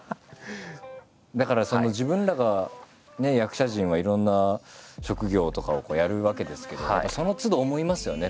だから自分らがね役者陣はいろんな職業とかをやるわけですけどそのつど思いますよね